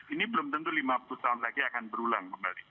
ini belum tentu lima puluh tahun lagi akan berulang kembali